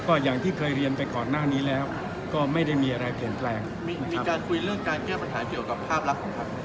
ก็อย่างที่เคยเรียนไปขอน่านี้แล้วก็ไม่ได้มีอะไรเปลี่ยนแปลงครับ